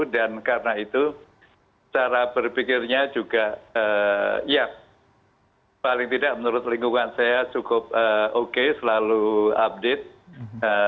dan karena itu cara berpikirnya juga ya paling tidak menurut lingkungan saya cukup oke selalu update